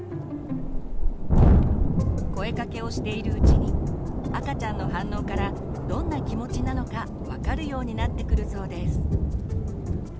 声かけをしているうちに赤ちゃんの反応からどんな気持ちなのか分かるようになってくるそうです。